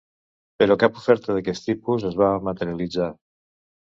Però cap oferta d'aquest tipus es va materialitzar.